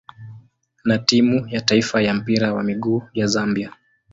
na timu ya taifa ya mpira wa miguu ya Zambia.